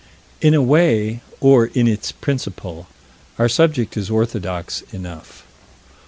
In a way, or in its principle, our subject is orthodox enough.